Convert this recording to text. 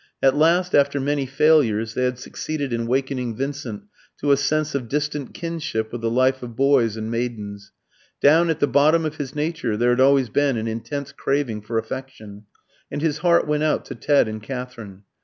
At last, after many failures, they had succeeded in wakening Vincent to a sense of distant kinship with the life of boys and maidens. Down at the bottom of his nature there had always been an intense craving for affection, and his heart went out to Ted and Katherine.